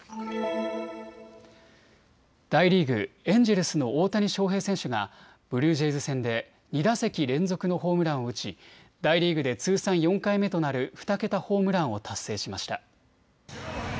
大リーグ、エンジェルスの大谷翔平選手がブルージェイズ戦で２打席連続のホームランを打ち大リーグで通算４回目となる２桁ホームランを達成しました。